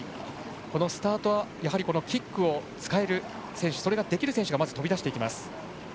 スタートはキックを使える選手それができる選手がまず飛び出していきます。